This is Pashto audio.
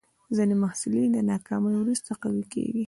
ځینې محصلین د ناکامۍ وروسته قوي کېږي.